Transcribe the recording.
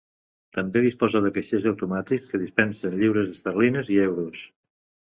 També disposa de caixers automàtics, que dispensen lliures esterlines i euros.